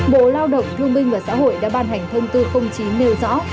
bộ lao động thương minh và xã hội đã ban hành thông tư công chí nêu rõ